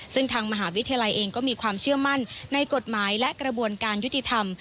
ซึ่งทางมหาวิทยาลัยเองก็มีความเชื่อมั่นในกฎหมายและกระบวนการยุติธรรม